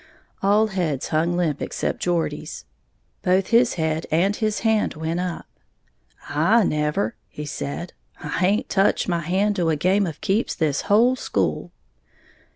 All heads hung limp except Geordie's. Both his head and his hand went up. "I never," he said, "I haint toch my hand to a game of keeps this whole school."